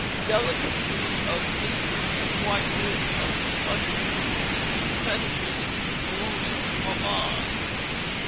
Delicacy of figure and whiteness of complexion were equal fetiches with colonial mammas.